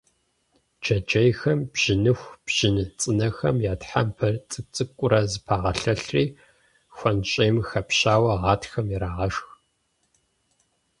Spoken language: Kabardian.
Джэджьейхэм бжьыныху, бжьын цӀынэхэм я тхьэмпэр цӀыкӀу-цӀыкӀуурэ зэпагъэлъэлъри, хуэнщӀейм хэпщауэ гъатхэм ирагъэшх.